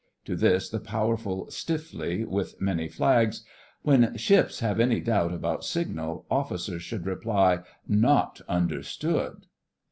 To this the Powerful stiffly, with many flags: 'When ships have any doubt about signal, officers should reply: Not understood!